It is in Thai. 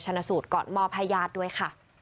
ชนะสูตรก่อนมอพยาทด์ด้วยค่ะ